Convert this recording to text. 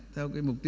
theo cái mục tiêu